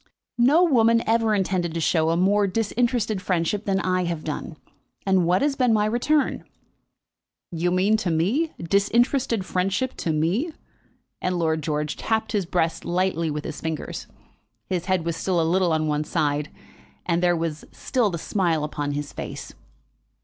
"No woman ever intended to show a more disinterested friendship than I have done; and what has been my return?" "You mean to me? disinterested friendship to me?" And Lord George tapped his breast lightly with his fingers. His head was still a little on one side, and there was still the smile upon his face.